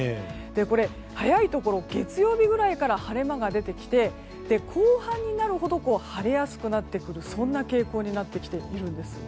早いところ月曜日くらいから晴れ間が出てきて後半になるほど晴れやすくなってくる傾向になっているんです。